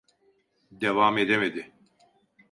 Devam edemedi.